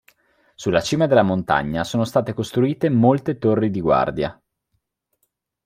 Sulla cima della montagna sono state costruite molte torri di guardia.